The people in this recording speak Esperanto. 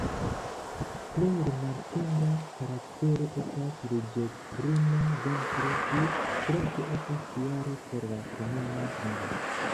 Plej rimarkinda karaktero estas ruĝecbruna ventro, tiu trajto estas tialo por la komuna nomo.